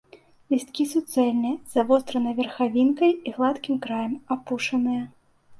Лісткі суцэльныя, з завостранай верхавінкай і гладкім краем, апушаныя.